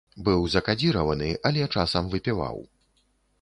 Быў закадзіраваны, але часам выпіваў.